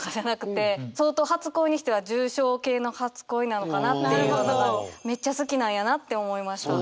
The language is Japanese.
相当初恋にしては重症系の初恋なのかなっていうのがめっちゃ好きなんやなって思いました。